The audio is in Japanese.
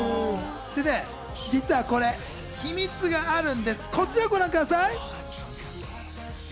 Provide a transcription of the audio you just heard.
実はこれ、秘密があるんです、こちらをご覧ください。